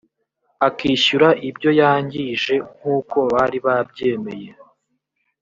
akishyura ibyo yangije nk uko bari babyemeye